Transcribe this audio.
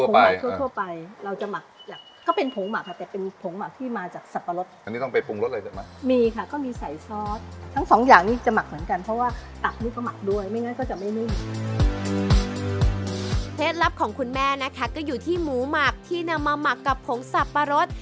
เพชรลัพธ์ของคุณแม่อยู่ที่หมูหมักที่มาหมักกับหนักสับปะรส